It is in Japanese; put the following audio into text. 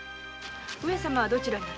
上様はどちらに？